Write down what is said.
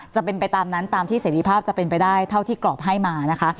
จะเป็นไปตามนั้นตามที่เสรีภาพจะเป็นไปได้เท่าที่กรอบให้มานะคะ